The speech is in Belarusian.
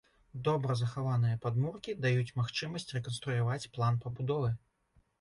Добра захаваныя падмуркі даюць магчымасць рэканструяваць план пабудовы.